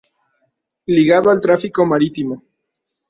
Ligado al tráfico marítimo.